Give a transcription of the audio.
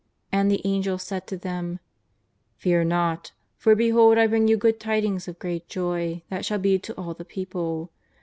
And the Angel said to them :" Fear not, for behold I bring you good tidings of great joy that shall be to all the people.